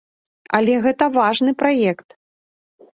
Але гэта важны праект.